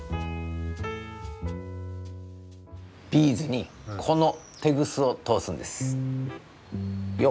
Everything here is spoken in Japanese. ビーズにこのテグスを通すんです。